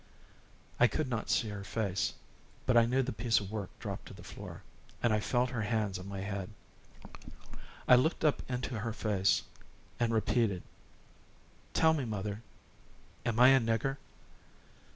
I could not see her face, but I knew the piece of work dropped to the floor and I felt her hands on my head. I looked up into her face and repeated: "Tell me, mother, am I a nigger?"